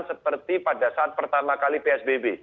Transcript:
seperti pada saat pertama kali psbb